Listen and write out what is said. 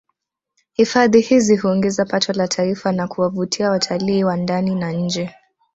Hifadhi hizi huongeza pato la Taifa na kuwavutia watalii wa ndani na nje